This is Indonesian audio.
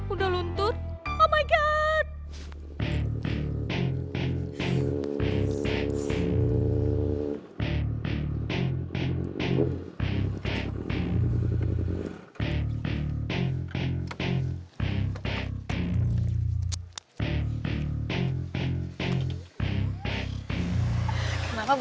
udah kita masuk